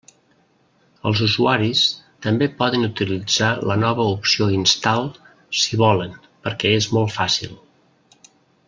Els usuaris també poden utilitzar la nova opció “instal” si volen, perquè és molt fàcil.